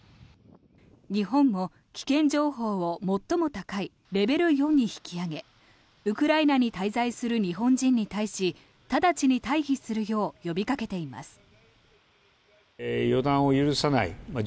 日本も危険情報を最も高いレベル４に引き上げウクライナに滞在する日本人に対し直ちに退避するよう呼びかけています。